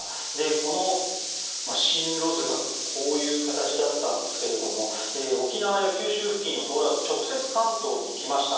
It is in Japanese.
この進路図がこういう形だったんですが沖縄や九州付近を通らず直接、関東に来ました。